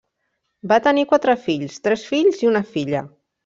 Va tenir quatre fills: tres fills i una filla.